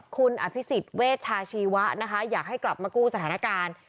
คุณอภิษฎเวชาชีวะนะคะอยากให้กลับมากู้สถานการณ์